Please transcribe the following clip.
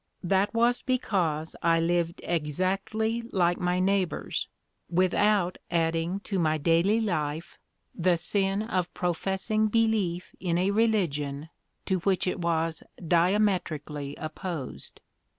"That was because I lived exactly like my neighbours, without adding to my daily life the sin of professing belief in a religion to which it was diametrically opposed.